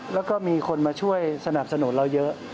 แล้วก็มีคนมาช่วยสนับสนุนเราเยอะ